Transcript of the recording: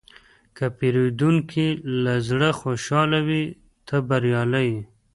که پیرودونکی له زړه خوشحاله وي، ته بریالی یې.